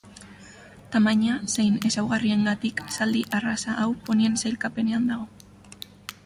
Tamaina zein ezaugarriengatik zaldi arraza hau ponien sailkapenean dago.